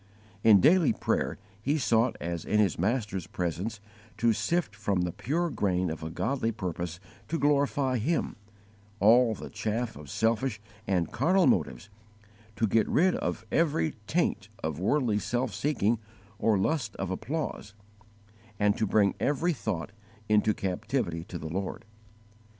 In daily prayer he sought as in his Master's presence to sift from the pure grain of a godly purpose to glorify Him, all the chaff of selfish and carnal motives, to get rid of every taint of worldly self seeking or lust of applause, and to bring every thought into captivity to the Lord.